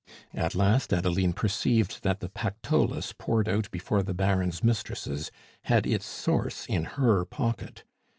At last Adeline perceived that the Pactolus poured out before the Baron's mistresses had its source in her pocket.